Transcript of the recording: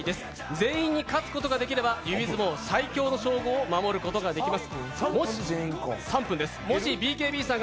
全員に勝つことができれば指相撲最強の称号を守ることができます。